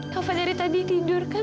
kalau dari tadi tidur kan